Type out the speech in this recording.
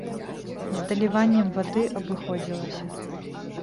З даліваннем вады абыходзілася.